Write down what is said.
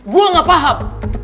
gue gak paham